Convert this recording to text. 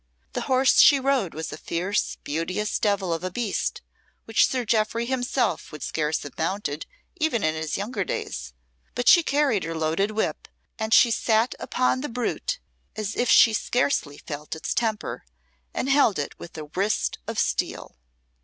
The horse she rode was a fierce, beauteous devil of a beast which Sir Jeoffry himself would scarce have mounted even in his younger days; but she carried her loaded whip, and she sat upon the brute as if she scarcely felt its temper, and held it with a wrist of steel.